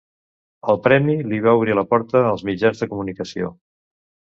El premi li va obrir la porta als mitjans de comunicació.